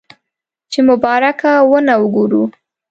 چې مبارکه ونه وګورو.